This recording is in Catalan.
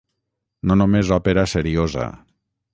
No només òpera seriosa.